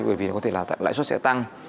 bởi vì có thể là lãi suất sẽ tăng